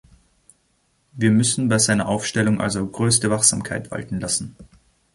Wir müssen bei seiner Aufstellung also größte Wachsamkeit walten lassen.